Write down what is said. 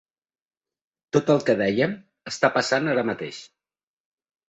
Tot el que dèiem està passant ara mateix.